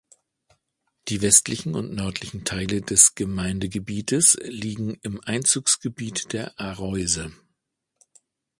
Die westlichen und nördlichen Teile des Gemeindegebietes liegen im Einzugsgebiet der Areuse.